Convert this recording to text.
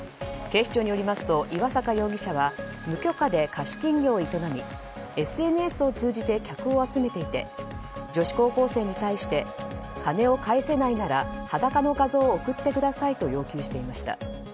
警視庁によりますと岩坂容疑者は無許可で貸金業を営みＳＮＳを通じて客を集めていて女子高校生に対して金を返せないなら裸の画像を送ってくださいと要求していました。